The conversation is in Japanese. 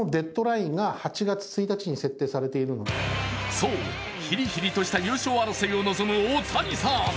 そう、ヒリヒリとした優勝争いを望む大谷さん。